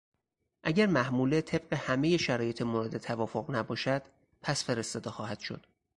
اگر محموله طبق همهی شرایط مورد توافق نباشد پس فرستاده خواهد شد.